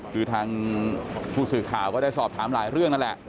คือทางผู้สื่อข่าวก็ได้สอบถามหลายเรื่องนั่นแหละ